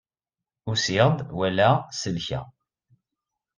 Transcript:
Usiɣ-d, walaɣ, selkeɣ.